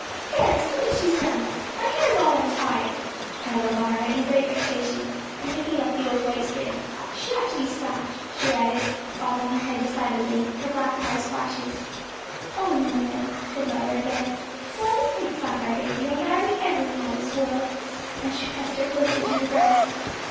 "There, see what she's done! My hair's all untied," cried Elvira, in great vexation, and picking up the old white string; "she ought to be slapped," she added, bobbing her head decidedly, her black eyes flashing. "Oh, no, no," said her mother again; "why, we couldn't slap our baby, Elviry, ever in all this world," and she pressed her closely to her breast.